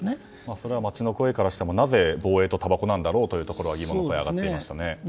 それは街の声からしてもなぜ防衛とたばこなんだろう？という声は疑問として上がっていましたね。